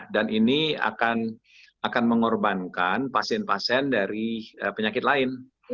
dan ini akan mengorbankan pasien pasien dari penyakit lain